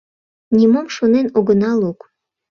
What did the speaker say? Нимом шонен огына лук.